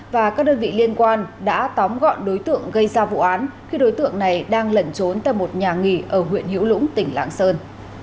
và các đơn vị liên quan đã tóm gọn đối tượng gây ra vụ án khi đối tượng này đang lẩn trốn tại một nhà nghỉ ở huyện hiểu lũng tỉnh lạng sơn